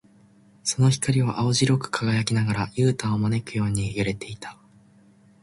その光は青白く輝きながら、ユウタを招くように揺れていた。